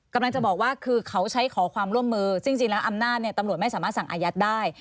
กำลังจะบอกว่าคือเขาใช้ขอความร่วมมือซึ่งจริงแล้วอำนาจเนี่ยตำรวจไม่สามารถสั่งอายัดได้